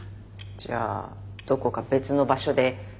じゃあどこか別の場所で。